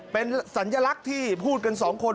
เป็นสัญลักษณ์ที่พูดกันสองคน